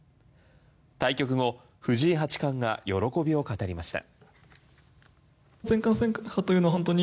対局後藤井八冠が喜びを語りました。